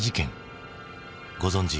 ご存じ